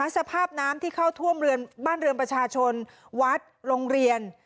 สภาพน้ำที่เข้าท่วมบ้านเรือนประชาชนวัดโรงเรียน